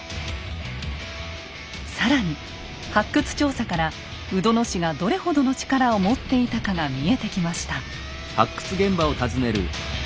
更に発掘調査から鵜殿氏がどれほどの力を持っていたかが見えてきました。